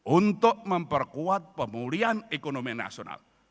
untuk memperkuat pemulihan ekonomi nasional